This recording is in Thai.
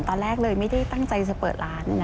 ตอนแรกเลยไม่ได้ตั้งใจจะเปิดร้าน